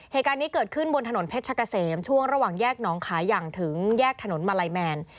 เหตุการณ์นี้เกิดขึ้นบนถนนเพชรกะเสมช่วงระหว่างแยกน้องขายอย่างถึงแยกถนนมาลัยแมน